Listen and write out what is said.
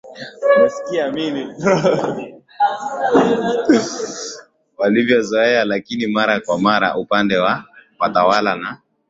walivyozoea Lakini mara kwa mara upande wa watawala na